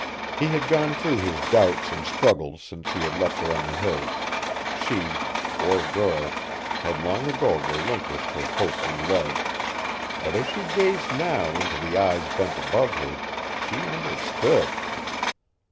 He had gone through his doubts and struggles since he had left her on the Hills; she, poor girl, had long ago relinquished her hope and love, but as she gazed now into the eyes bent above her she understood!